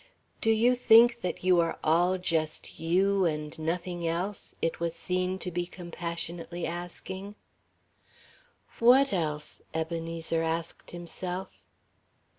"Do you think that you are all just you and nothing else?" it was seen to be compassionately asking. "What else?" Ebenezer asked himself.